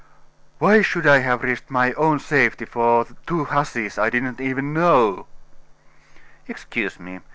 "Why should I have risked my own safety for two hussies I did not even know?" "Excuse me.